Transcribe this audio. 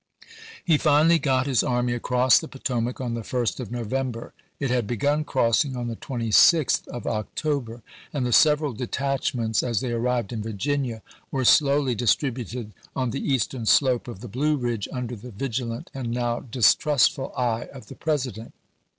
He finally got his army across the Potomac on the 1st of November ; it had begun crossing on the 26th of October, and the several detachments, as they arrived in Virginia, were slowly distributed on the eastern slope of the Blue Ridge under the vigilant and now distrustful eye of the President.